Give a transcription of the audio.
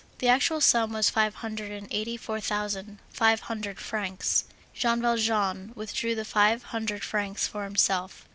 The actual sum was five hundred and eighty four thousand, five hundred francs. Jean Valjean withdrew the five hundred francs for himself.